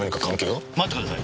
待ってください！